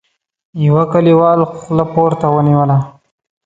يوه کليوال خوله پورته ونيوله: